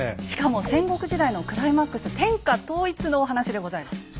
しかも戦国時代のクライマックス天下統一のお話でございます。